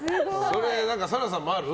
紗来さんもある？